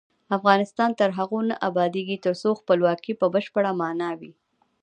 افغانستان تر هغو نه ابادیږي، ترڅو خپلواکي په بشپړه مانا وي.